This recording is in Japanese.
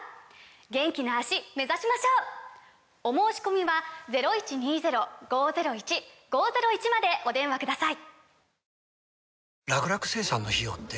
元気な脚目指しましょう！お申込みはお電話ください